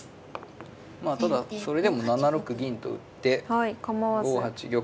ただそれでも７六銀と打って５八玉。